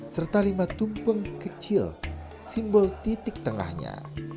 serta lima tumpeng kecil simbol titik tengahnya